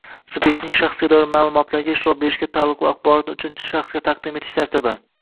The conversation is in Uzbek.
Subyektning shaxsga doir ma’lumotlariga ishlov berishga taalluqli axborotni uchinchi shaxsga taqdim etish tartibi